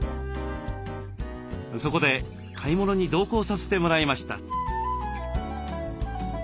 そこで買い物に同行させてもらいました。